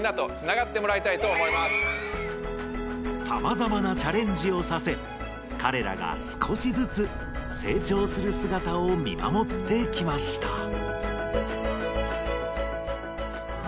さまざまなチャレンジをさせかれらがすこしずつ成長するすがたを見守ってきました。